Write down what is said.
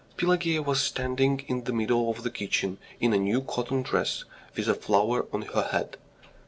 Pelageya was standing in the middle of the kitchen in a new cotton dress, with a flower on her head.